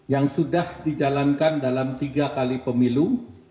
yang sudah dijalankan dalam tiga kali pemilu